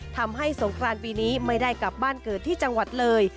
สงครานปีนี้ไม่ได้กลับบ้านเกิดที่จังหวัดเลย